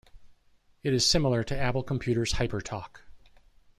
It is similar to Apple Computer's HyperTalk.